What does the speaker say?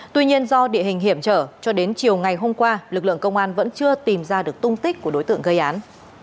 tuy nhiên do địa hình hiểm trở cho đến chiều ngày hôm qua lực lượng công an vẫn chưa tìm ra được tung tích của đối tượng gây án